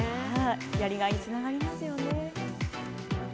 やりがいにつながりますよね。